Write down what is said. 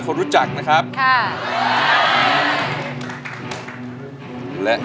เพลงนี้ที่๕หมื่นบาทแล้วน้องแคน